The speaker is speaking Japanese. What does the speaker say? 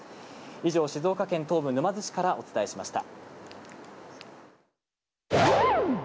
以上、静岡県東部、沼津市からお伝えしました。